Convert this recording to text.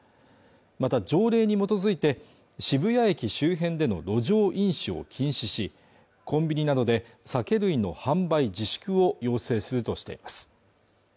また条例に基づいて渋谷駅周辺での路上飲酒を禁止しコンビニなどで酒類の販売自粛を要請するとしています